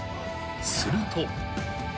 ［すると］